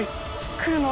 来るの？